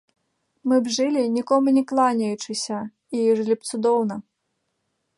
Мы б жылі, нікому не кланяючыся, і жылі б цудоўна!